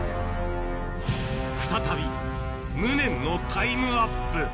再び無念のタイムアップ。